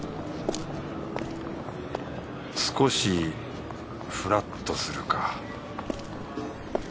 少しふらっとするか